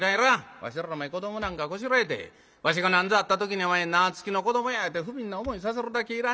わしらお前子どもなんかこしらえてわしが何ぞあった時にお前縄付きの子どもやいうて不憫な思いさせるだけいらん』